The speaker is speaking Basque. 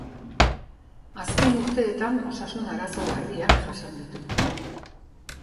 Azken urteetan osasun arazo larriak jasan ditu.